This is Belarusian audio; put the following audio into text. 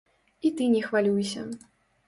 І ты не хвалюйся.